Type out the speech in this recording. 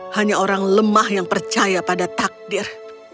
hanya orang lemah yang percaya pada takdir